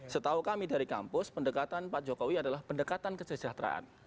setahu kami dari kampus pendekatan pak jokowi adalah pendekatan kesejahteraan